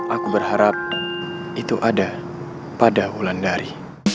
aku berharap itu ada pada bulan dari